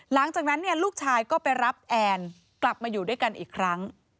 หลังจากนั้นเนี่ยลูกชายก็ไปรับแอนกลับมาอยู่ด้วยกันอีกครั้ง